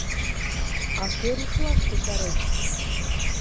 — А кӧ рушлаш кусарен?